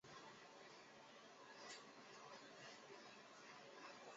文化大革命期间受到冲击。